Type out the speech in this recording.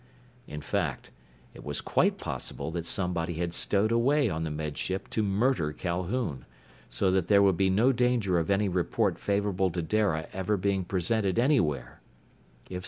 In fact, it was quite possible that somebody had stowed away on the Med Ship to murder Calhoun, so that there would be no danger of any report favorable to Dara ever being presented anywhere.